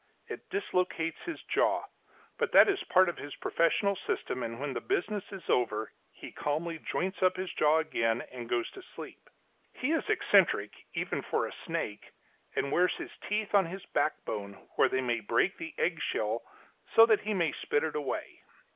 It dislocates his jaw, but that is a part of his professional system, and when the business is over he calmly joints up his jaw again and goes to sleep. He is eccentric, even for a snake, and wears his teeth on his backbone, where they may break the egg shell so that he may spit it away.